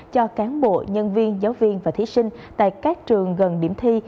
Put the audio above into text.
cho cán bộ nhân viên giáo viên và thí sinh tại các trường gần điểm thi